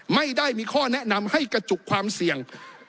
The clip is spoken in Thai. ไม่ได้มีข้อแนะนำให้กระจุกความเสี่ยง